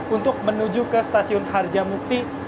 untuk menuju ke stasiun harjamuk tici bubur